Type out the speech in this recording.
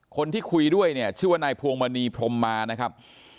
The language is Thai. คนที่คุยด้วยเนี่ยชื่อว่านายพวงมณีพรมมานะครับ